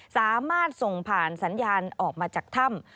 สามารถส่งผ่านสัญญาณออกมาจากถ้ำ